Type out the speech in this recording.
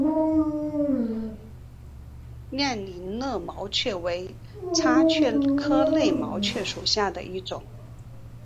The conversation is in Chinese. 亮鳞肋毛蕨为叉蕨科肋毛蕨属下的一个种。